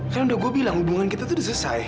kan udah gue bilang hubungan kita tuh udah selesai